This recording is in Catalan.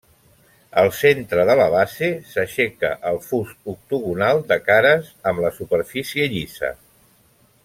Al centre de la base s'aixeca el fust octogonal de cares amb la superfície llisa.